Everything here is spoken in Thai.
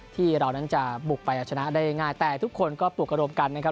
ที่เรานั้นจะบุกไปเอาชนะได้ง่ายแต่ทุกคนก็ปลุกระดมกันนะครับ